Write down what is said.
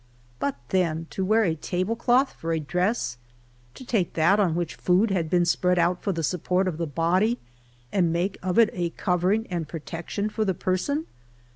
But then to wear a tablecloth for a dress ! to take that on which food had been spread out for the support of the body, and make of it a covering and pro tection for the person